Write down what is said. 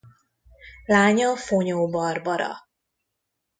Lánya Fonyó Barbara.